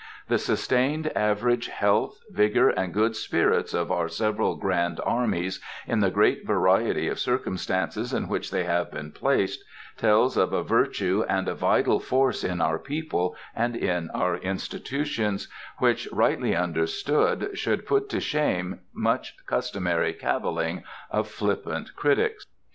The sustained average health, vigor, and good spirits of our several grand armies, in the great variety of circumstances in which they have been placed, tells of a virtue and a vital force in our people and in our institutions, which, rightly understood, should put to shame much customary cavilling of flippant critics.